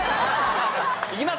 いきます